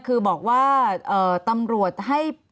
คือบอกว่าตำรวจให้